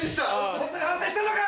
ホントに反省してんのか？